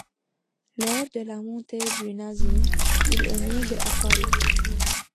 Lors de la montée du nazisme, il émigre à Paris.